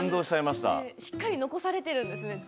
しっかり残されているんですね。